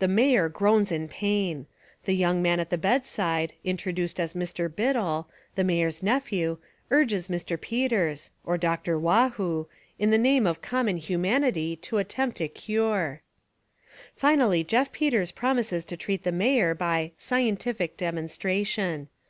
The Mayor groans in pain. The young man at the bedside, Introduced as Mr. BIddle, the Mayor's nephew, urges Mr. Peters, — or Doc 254 The Amazing Genius of O. Henry tor Waugh hoo, — in the name of common hu manity to attempt a cure. Finally Jeff Peters promises to treat the Mayor by "scientific demonstration."